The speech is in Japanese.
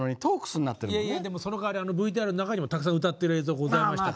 でもそのかわりＶＴＲの中にもたくさん歌ってる映像ございましたから。